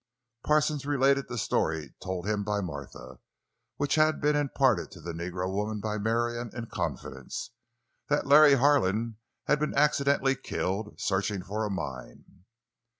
Parsons related the story told him by Martha—which had been imparted to the negro woman by Marion in confidence—that Larry Harlan had been accidentally killed, searching for a mine.